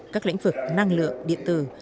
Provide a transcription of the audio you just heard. các lĩnh vực năng lượng điện tử